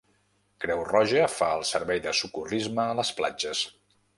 Creu Roja fa el servei de socorrisme a les platges.